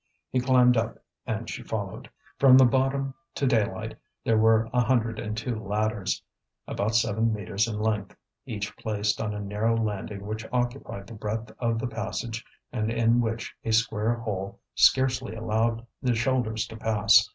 He climbed up and she followed. From the bottom to daylight there were a hundred and two ladders, about seven metres in length, each placed on a narrow landing which occupied the breadth of the passage and in which a square hole scarcely allowed the shoulders to pass.